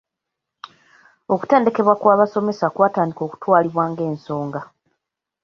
Okutendekebwa kw’abasomesa kwatandika okutwalibwa ng’ensonga.